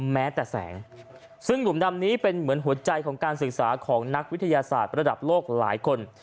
แม้แต่แสงซึ่งหลุมดำนี้เป็นเหมือนหัวใจของการศึกษาของนักวิทยาศาสตร์ระดับโลกหลายคน